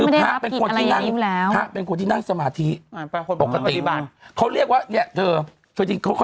ไม่ได้อะไรอื่นแล้วเป็นคียงที่นักสมาธิปกติบาร์เขาเรียกว่าได้เกิดที่เขา